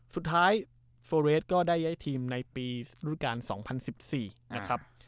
สุดท้ายโฟเรสก็ได้ย้ายทีมในปีรุ่นการ๒๐๑๔นะครับ